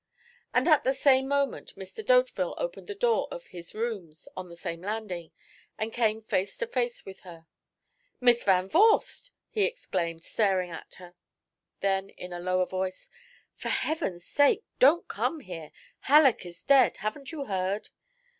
And at the same moment, Mr. D'Hauteville opened the door of his rooms on the same landing, and came face to face with her. "Miss Van Vorst!" he exclaimed, staring at her; then, in a lower voice: "For Heaven's sake, don't come here. Halleck is dead. Haven't you heard?"